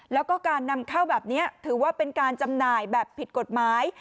แล้วก็การนำเข้าแบบนี้ถือว่าเป็นการจำหน่ายแบบผิดกฎหมาย